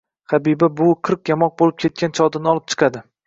Habiba buvi qirq yamoq bo‘lib ketgan chodirni olib chiqadi.